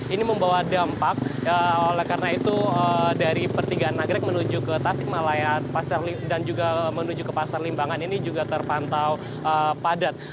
ini membawa dampak oleh karena itu dari pertigaan nagrek menuju ke tasik malaya dan juga menuju ke pasar limbangan ini juga terpantau padat